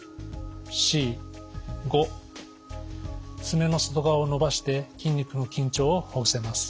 すねの外側を伸ばして筋肉の緊張をほぐせます。